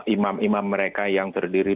imam imam mereka yang terdiri